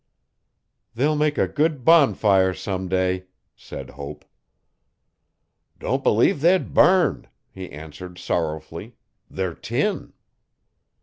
'They'll make a good bonfire someday,' said Hope. 'Don't believe they'd burn,' he answered sorrowfully, 'they're tin.